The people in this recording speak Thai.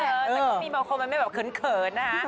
แต่ก็มีบางคนมันไม่แบบเขินนะคะ